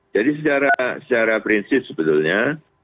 jadi secara prinsip sebetulnya